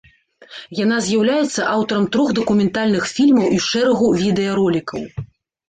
Яна з'яўляецца аўтарам трох дакументальных фільмаў і шэрагу відэаролікаў.